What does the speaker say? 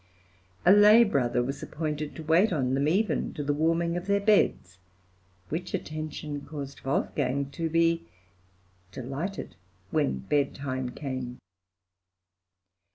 A lay brother was appointed to wait on them, even to the warming of their beds, which attention caused Wolfgang to be "delighted when bedtime came."